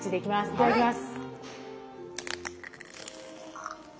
いただきます。